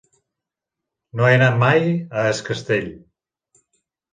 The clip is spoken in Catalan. No he anat mai a Es Castell.